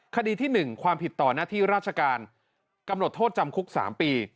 คดีที่๑ความผิดต่อหน้าที่ราชการกำหนดโทษจำคุก๓ปี